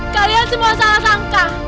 kalian semua salah sangka